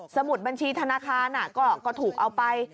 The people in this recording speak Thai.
สมุดบัญชีธนาคารก็ถูกเอาไป